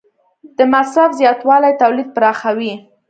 د مصرف زیاتوالی تولید پراخوي.